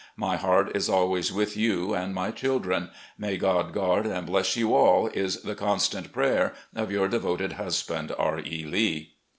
My heart is always with you and my children. May God guard and bless you all is the constant prayer of "Your devoted husband, "R. E. Lee."